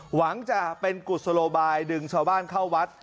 หวังจะเป็นกุศโลบายดึงชาวบ้านเข้าวัด